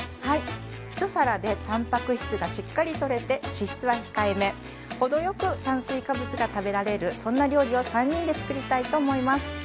はい一皿でたんぱく質がしっかりとれて脂質は控えめ程よく炭水化物が食べられるそんな料理を３人で作りたいと思います！